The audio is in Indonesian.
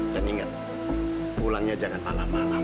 dan ingat pulangnya jangan malam malam